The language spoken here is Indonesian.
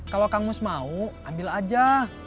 kalau kang mus mau ambil aja